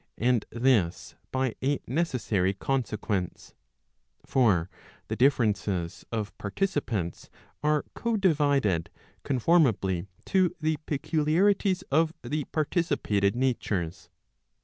And this by a necessary consequence. For the differences of participants are co divided conformably to the peculiarities of the participated natures.